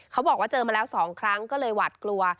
เขาบอกว่าเจอมาแล้ว๒ครั้งก็เลยหวัดกลัว